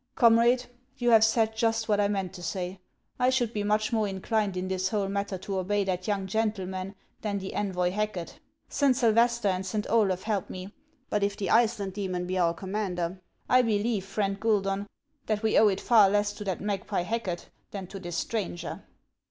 " Comrade, you have said just what I meant to say. I should be much more inclined in this whole matter to obey that young gentleman than the envoy Hacket. Saint Sylvester and Saint Olaf help me ! but if the Ice land demon be our commander, I believe, friend Guidon, that we owe it far less to that magpie Hacket than to this stranger."